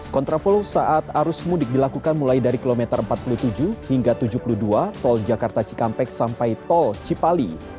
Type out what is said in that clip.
kontraflow saat arus mudik dilakukan mulai dari kilometer empat puluh tujuh hingga tujuh puluh dua tol jakarta cikampek sampai tol cipali